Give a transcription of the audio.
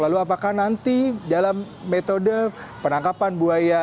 lalu apakah nanti dalam metode penangkapan buaya